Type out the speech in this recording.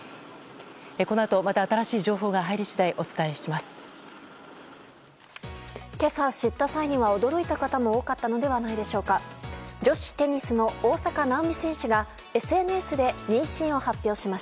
この後また新しい情報が入り次第お伝えします。